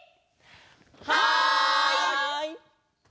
はい！